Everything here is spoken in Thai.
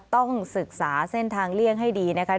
ต้องศึกษาเส้นทางเลี่ยงให้ดีนะคะ